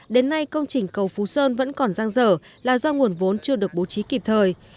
đến nay công trình cầu phú sơn vẫn còn giang dở là do nguồn vốn chưa được bố trí kịp thời